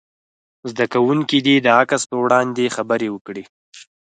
زده کوونکي دې د عکس په وړاندې خبرې وکړي.